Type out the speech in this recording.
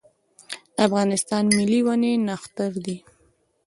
د افغانستان ملي ونې نښتر دی